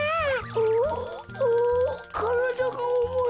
うううからだがおもい。